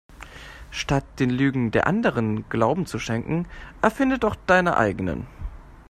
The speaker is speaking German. Statt den Lügen der Anderen Glauben zu schenken erfinde doch deine eigenen.